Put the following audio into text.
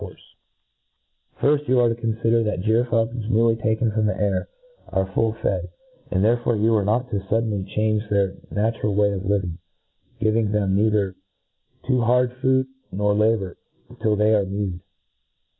212 A TREAT 1 S E OF Firft^ You arc tq confidcr, that gyr faulcons newly taken from the air are fuU fcd ; and there fore you are not too fuddcnly to change their natural way of living, giving them neither tpo hard food nor labour till they are mewed.